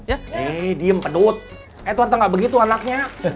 eh diem pedut edward gak begitu anaknya